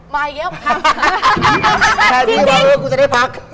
มาอีกแค่วันมาอีกแค่วันว่าคุณจะได้พัก